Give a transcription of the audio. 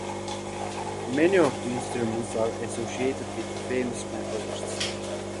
Many of the instruments are associated with famous composers.